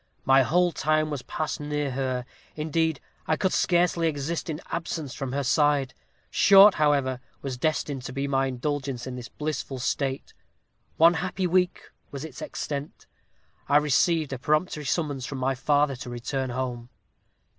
My whole time was passed near her; indeed, I could scarcely exist in absence from her side. Short, however, was destined to be my indulgence in this blissful state. One happy week was its extent. I received a peremptory summons from my father to return home.